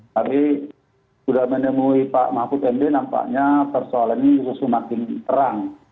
tapi sudah menemui pak mahfud md nampaknya persoalannya justru makin terang